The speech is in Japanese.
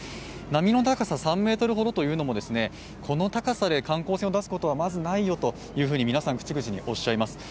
波の高さ３ｍほど、この高さで観光船を出すことはまずないよと皆さん口々におっしゃいます。